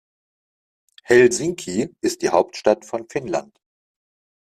Helsinki ist die Hauptstadt von Finnland.